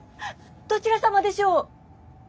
どちら様でしょう？